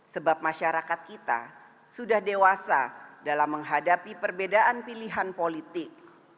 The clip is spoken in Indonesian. sebab masyarakat kita sudah dewasa dalam menghadapi perbedaan pilihan politik